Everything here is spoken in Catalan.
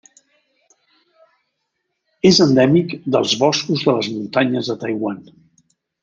És endèmic dels boscos de les muntanyes de Taiwan.